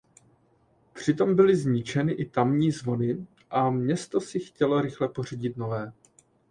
Přitom byly zničeny i tamní zvony a město si chtělo rychle pořídit nové.